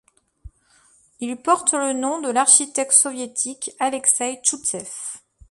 Il porte le nom de l'architecte soviétique Alekseï Chtchoussev.